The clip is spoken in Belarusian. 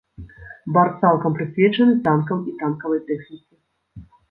Бар цалкам прысвечаны танкам і танкавай тэхніцы.